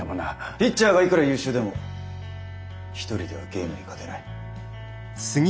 ピッチャーがいくら優秀でも一人ではゲームに勝てない。